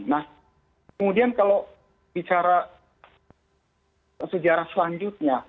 nah kemudian kalau bicara sejarah selanjutnya